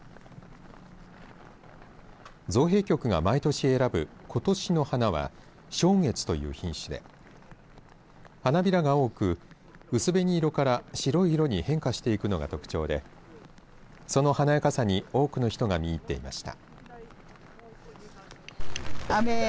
造幣局が毎年選ぶ今年の花は松月という品種で花びらが多く薄紅色から白い色に変化していくのが特徴でその華やかさに多くの人が見入っていました。